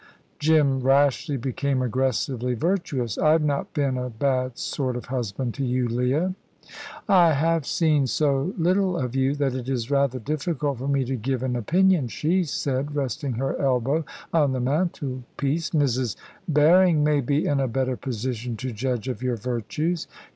Jim rashly became aggressively virtuous. "I've not been a bad sort of husband to you, Leah." "I have seen so little of you that it is rather difficult for me to give an opinion," she said, resting her elbow on the mantelpiece. "Mrs. Berring may be in a better position to judge of your virtues."